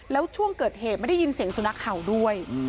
แล้วช่วงเกิดเหตุไม่ได้ยินเสียงสุนัขเห่าด้วย